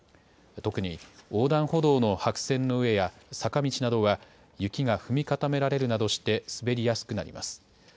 特に横断歩道の白線の上や、坂道などは、雪が踏み固められるなどして滑りやすくなります。